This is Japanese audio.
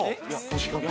◆確かに。